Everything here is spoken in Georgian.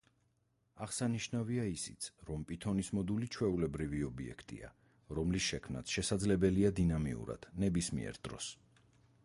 აღსანიშნავია ისიც, რომ პითონის მოდული ჩვეულებრივი ობიექტია, რომლის შექმნაც შესაძლებელია დინამიურად, ნებისმიერ დროს.